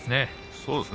そうですね。